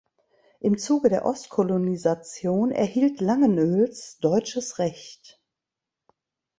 Im Zuge der Ostkolonisation erhielt Langenöls deutsches Recht.